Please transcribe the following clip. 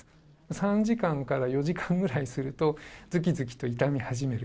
３時間から４時間ぐらいすると、ずきずきと痛み始める。